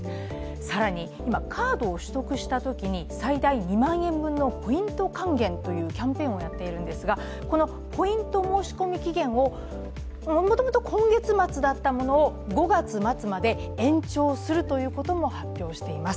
更に、今、カードを取得したときに最大２万円のポイント還元というキャンペーンをやっているんですが、このポイント申込期限を、もともと今月末だったものを、５月末まで延長するということも発表しています。